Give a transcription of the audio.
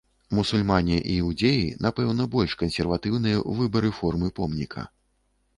Мусульмане і іўдзеі, напэўна, больш кансерватыўныя ў выбары формы помніка.